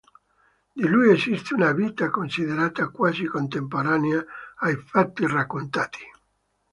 Di lui esiste una "Vita" considerata quasi contemporanea ai fatti raccontati.